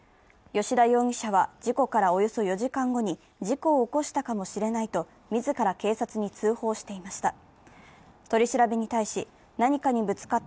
吉田容疑者は、事故からおよそ４時間後に、事故を起こしたかもしれないと自ら警察に通報していました。